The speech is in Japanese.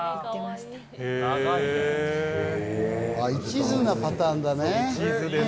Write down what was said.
一途なパターンだね。